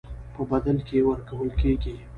په بدل کې ورکول کېږي.